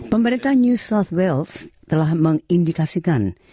pemerintah new south wales telah mengindikasikan